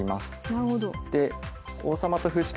なるほど。